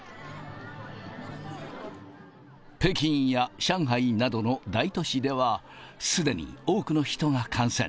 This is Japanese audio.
北京や上海などの大都市では、すでに多くの人が感染。